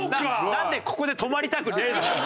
なんでここで止まりたくねえんだよ。